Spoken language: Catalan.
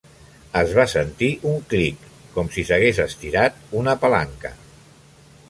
Es va sentir un clic com si s'hagués estirat una palanca.